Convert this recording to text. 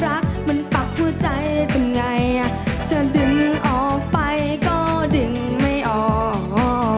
รักมันปักหัวใจทำไงอ่ะจะดึงออกไปก็ดึงไม่ออก